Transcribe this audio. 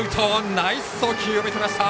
ナイス送球を見せました。